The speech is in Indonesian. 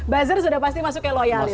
buzzer sudah pasti masuk ke loyalis